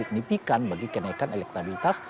signifikan bagi kenaikan elektabilitas